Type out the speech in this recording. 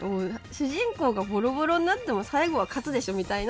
主人公がボロボロになっても最後は勝つでしょみたいな。